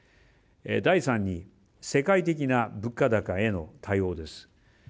第３に、世界的な物価高への対応です。